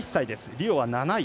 リオは７位。